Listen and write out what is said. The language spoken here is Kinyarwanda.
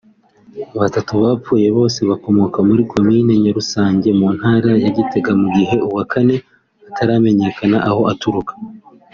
Batatu bapfuye bose bakomoka muri Komine Nyarusange mu Ntara ya Gitega mu gihe uwa Kane ataramenyakana aho aturuka